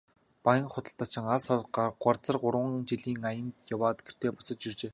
Баян худалдаачин алс хол газар гурван жилийн аянд яваад гэртээ буцаж иржээ.